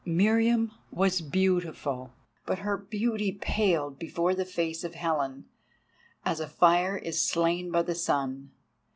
Meriamun was beautiful, but her beauty paled before the face of Helen, as a fire is slain by the sun.